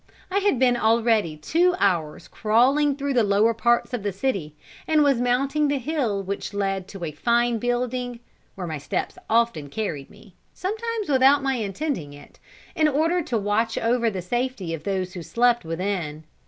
I had been already two hours crawling through the lower parts of the city, and was mounting the hill which led to a fine building where my steps often carried me sometimes without my intending it in order to watch over the safety of those who slept within.